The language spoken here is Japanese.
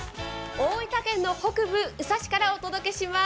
大分県の北部・宇佐市からお届けします。